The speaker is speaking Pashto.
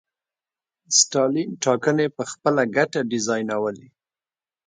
ستالین ټاکنې په خپله ګټه ډیزاینولې.